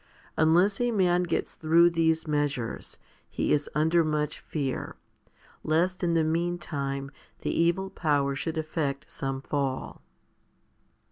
Unless a man gets through these measures, he is under much fear, lest in the meantime the evil power should effect some fall.